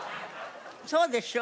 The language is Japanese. そうでしょ。